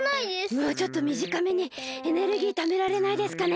もうちょっとみじかめにエネルギーためられないですかね？